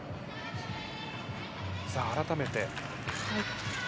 改めて。